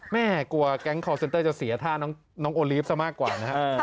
แม่กลัวแก๊งคอร์เซ็นเตอร์จะเสียท่าน้องโอลีฟซะมากกว่านะครับ